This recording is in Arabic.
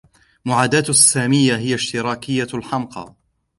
معاداة السامية هي اشتراكية الحمقى.